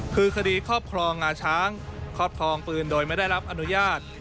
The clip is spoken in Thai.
คือคดีครอบครองงาช้างครอบครองปืนโดยไม่ได้รับอนุญาต